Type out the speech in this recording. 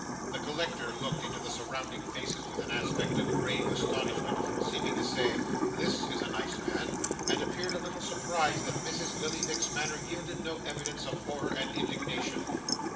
The collector looked into the surrounding faces with an aspect of grave astonishment, seeming to say, 'This is a nice man!' and appeared a little surprised that Mrs. Lillyvick's manner yielded no evidences of horror and indignation.